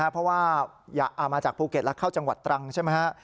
เพราะว่ามาจากภูเก็ตแล้วเข้าจังหวัดตรังใช่ไหมฮะ